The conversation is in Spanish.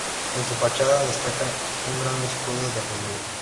En su fachada destaca un gran escudo en relieve.